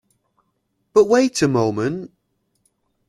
But wait a moment!